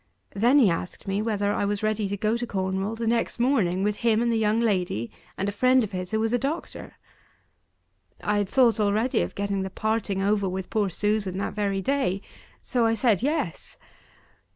Then he asked me whether I was ready to go to Cornwall the next morning with him, and the young lady, and a friend of his who was a doctor. I had thought already of getting the parting over with poor Susan, that very day: so I said, "Yes."